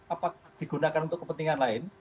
apakah digunakan untuk kepentingan lain